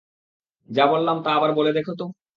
যা বললাম তা আবার বলে দেখা তো।